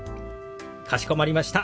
かしこまりました。